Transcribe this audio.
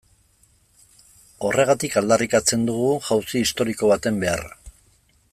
Horregatik aldarrikatzen dugu jauzi historiko baten beharra.